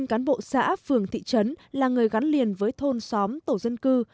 những cán bộ xã phường thị trấn là người gắn liền với thôn xóm tổ dân cư